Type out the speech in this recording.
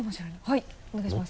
はいお願いします。